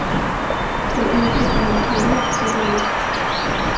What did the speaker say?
Den unga flickan hade aldrig haft så roligt.